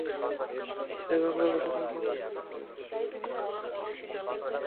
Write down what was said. লভ্যাংশ ঘোষণার খবর গতকাল খুলনা পাওয়ারের শেয়ারের দামের ওপর প্রভাব ফেলে।